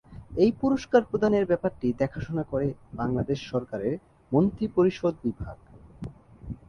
এই পুরস্কার প্রদানের ব্যাপারটি দেখাশোনা করে বাংলাদেশ সরকারের মন্ত্রিপরিষদ বিভাগ।